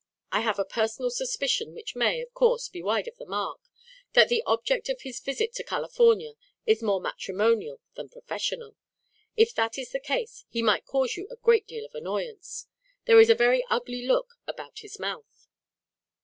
I have a personal suspicion which may, of course, be wide of the mark, that the object of his visit to California is more matrimonial than professional; if that is the case, he might cause you a great deal of annoyance: there is a very ugly look about his mouth."